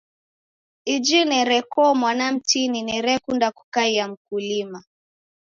Iji nerekoo mwana mtini nerekunda kukaia mkulima.